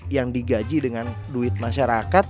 yang digaji dengan duit masyarakat